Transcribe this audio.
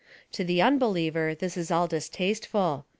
To the un believer, this is all distasteful.